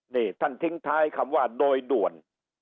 นี่ท่านทิ้งท้ายคำว่าโดยด่วน